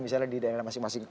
misalnya di daerah masing masing